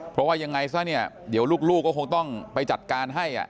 เพราะว่ายังไงซะเนี่ยเดี๋ยวลูกก็คงต้องไปจัดการให้